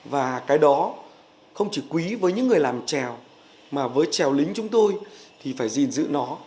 và cái đó không chỉ quý với những người làm trèo mà với trèo lính chúng tôi thì phải gìn giữ nó